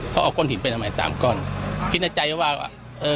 เขาเอาก้อนหินไปทำไมสามก้อนคิดในใจว่าเออ